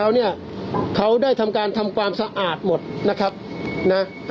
แล้วเนี่ยเขาได้ทำการทำความสะอาดหมดนะครับนะ